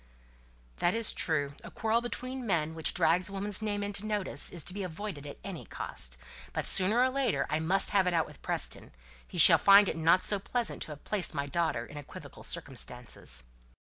"That's true. A quarrel between men which drags a woman's name into notice is to be avoided at any cost. But sooner or later I must have it out with Preston. He shall find it not so pleasant to have placed my daughter in equivocal circumstances."